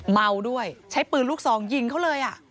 เมาด้วยใช้ปืนลูกซองยิงเขาเลย